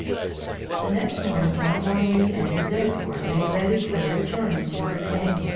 The next morning Count Henri and his escort made ready for their journey to Bretagne.